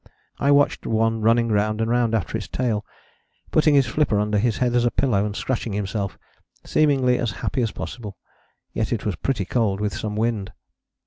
I watched one running round and round after his tail, putting his flipper under his head as a pillow, and scratching himself, seemingly as happy as possible: yet it was pretty cold with some wind.